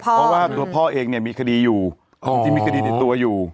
เพราะว่าตัวพ่อเองเนี่ยมีคดีอยู่จริงมีคดีติดตัวอยู่